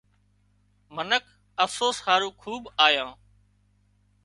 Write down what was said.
منک افسوس هارو کوٻ آيان